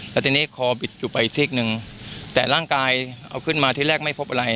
แล้วทีนี้คอบิดอยู่ไปซีกหนึ่งแต่ร่างกายเอาขึ้นมาที่แรกไม่พบอะไร